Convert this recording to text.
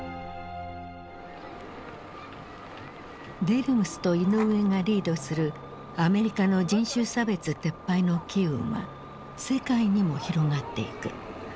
デルムスとイノウエがリードするアメリカの人種差別撤廃の機運は世界にも広がっていく。